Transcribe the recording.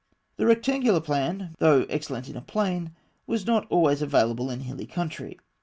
] The rectangular plan, though excellent in a plain, was not always available in a hilly country.